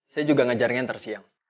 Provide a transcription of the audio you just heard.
saya juga ngejar nanti siang